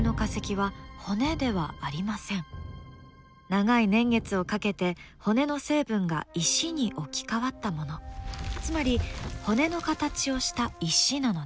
長い年月をかけて骨の成分が石に置き換わったものつまり骨の形をした石なのです。